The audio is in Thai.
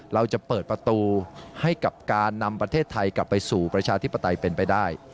เราจะเปิดประตูให้กับการนำประเทศไทยกลับไปสู่ประชาธิปไตยเป็นไปได้